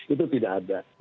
itu tidak ada